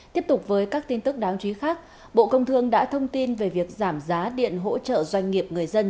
tiếp tục với các tin tức đáng chú ý khác bộ công thương đã thông tin về việc giảm giá điện hỗ trợ doanh nghiệp người dân